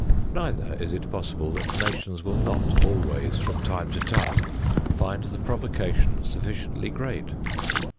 Neither is it possible that nations will not always, from time to time, find the provocation sufficiently great.